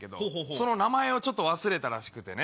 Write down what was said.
その名前を忘れたらしくてね。